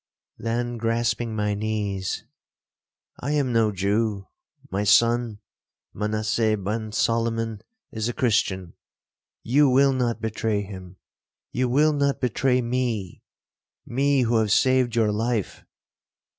Then, grasping my knees, 'I am no Jew,—my son, Manasseh ben Solomon, is a Christian; you will not betray him, you will not betray me,—me who have saved your life.